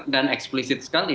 dan eksplisit sekali